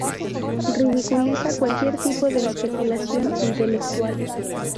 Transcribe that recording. Ridiculiza cualquier tipo de especulación intelectual.